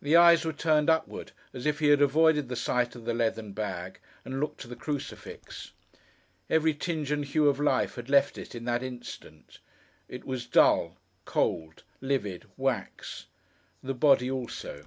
The eyes were turned upward, as if he had avoided the sight of the leathern bag, and looked to the crucifix. Every tinge and hue of life had left it in that instant. It was dull, cold, livid, wax. The body also.